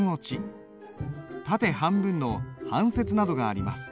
縦半分の半切などがあります。